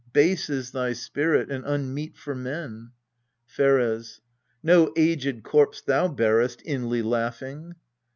Base is thy spirit, and unmeet for men. Pheres. No aged corpse thou bearest, inly laughing